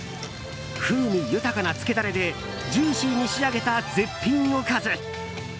風味豊かな漬けダレでジューシーに仕上げた絶品おかず。